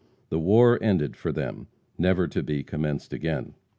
The war ended for them, never to be commenced again.